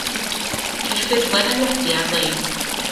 Ceir ffurflen enwebu ar-lein.